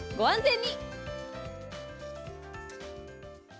ご安全に！